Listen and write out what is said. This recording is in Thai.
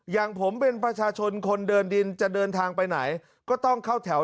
อย่างผมเป็นประชาชนคนเดินดินจะเดินทางไปไหนก็ต้องเข้าแถว